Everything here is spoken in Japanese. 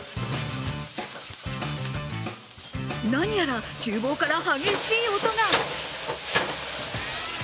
何やらちゅう房から激しい音が。